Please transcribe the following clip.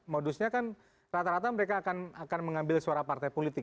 modusnya kan rata rata mereka akan mengambil suara partai politik